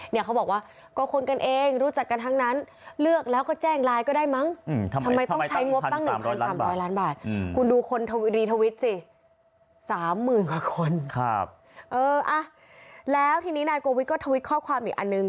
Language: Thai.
ดีทวิทย์สิ๓หมื่นกว่าคนครับเออแล้วทีนี้นายโกวิทย์ก็ทวิทย์ข้อความอีกอันนึง